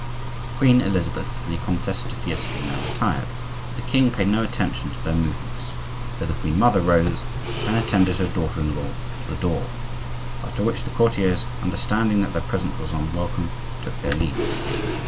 Queen Elizabeth and the Comtesse de Fiesque now retired, but the king paid no attention to their movements, though the queen mother rose and attended her daughter in law to the door; after which the courtiers, understanding that their presence was unwelcome, took their leave.